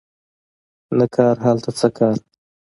نه کار هلته څه کار